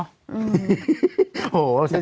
โอ้โฮเจรียร์